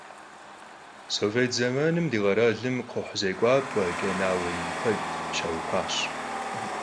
Sovêt zemanım di kheralım kxhuh zêk'uap'e, ç'enaue yin kued şauxuaş.